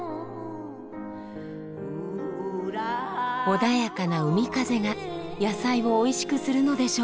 穏やかな海風が野菜をおいしくするのでしょうか。